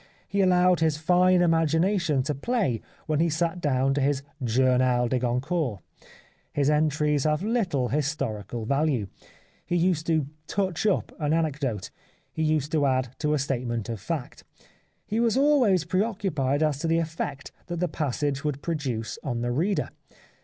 He allowed his fine imagination to play when he sat down to his Journal des Goncourt. His entries have little historical value. He used to " touch up " an anecdote ; he used to add to a statement of fact. He was always preoccupied as to the effect that the passage would produce on the reader.